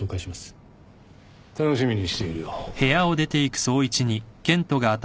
楽しみにしているよ。